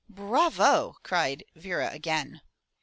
"Bravo!" cried Vera again.